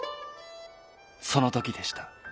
そのときでした。